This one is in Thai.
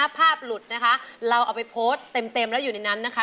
ภาพหลุดนะคะเราเอาไปโพสต์เต็มแล้วอยู่ในนั้นนะคะ